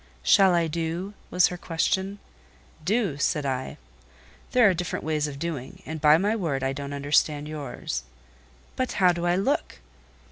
"Shall I do?" was her question. "Do?" said I. "There are different ways of doing; and, by my word, I don't understand yours." "But how do I look?"